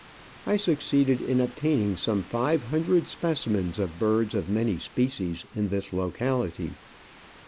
I succeeded in obtaining some five hundred specimens of birds of many species in this locality.